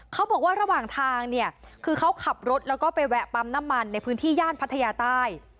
เขาบอกว่าระหว่างทางเนี่ยคือเขาขับรถแล้วก็ไปแวะปั๊มน้ำมันในพื้นที่ย่านพัทยาใต้